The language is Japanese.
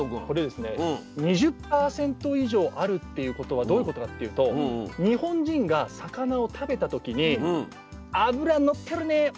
これですね２０％以上あるっていうことはどういうことかっていうと日本人が魚を食べた時に脂のってるね